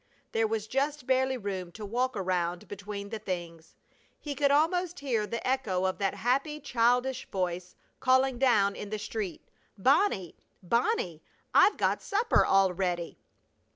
There was just barely room to walk around between the things. He could almost hear the echo of that happy, childish voice calling down in the street: "Bonnie! Bonnie! I've got supper all ready!"